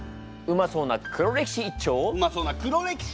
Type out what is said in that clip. うまそうな「黒歴史」一丁！